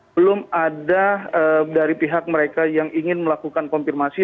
belum ada dari pihak mereka yang ingin melakukan konfirmasi